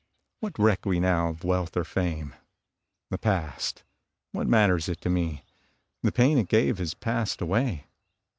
What reck we now of wealth or fame? The past what matters it to me? The pain it gave has passed away.